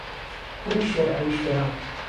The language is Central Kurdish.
کوڕی شێرعەلی شێران